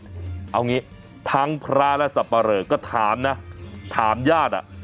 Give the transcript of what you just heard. เอาอย่างงี้ทางพระและสัปปะเริกก็ถามนะถามญาติอะ